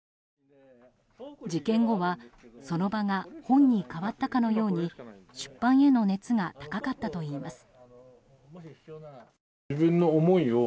事件後はその場が本に替わったかのように出版への熱が高かったといいます。